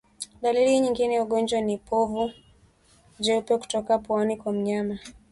Dalili nyingine ya ugonjwa ni povu jeupe kutoka puani kwa mnyama